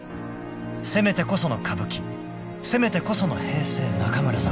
［攻めてこその歌舞伎攻めてこその平成中村座］